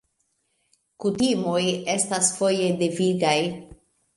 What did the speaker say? Kutimoj estas foje devigaj.